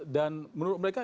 dan menurut mereka